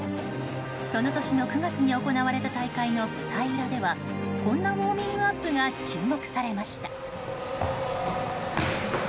その年の９月に行われた大会の舞台裏ではこんなウォーミングアップが注目されました。